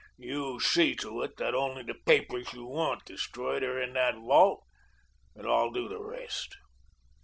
You see to it that only the papers you want destroyed are in that vault, and I'll do the rest."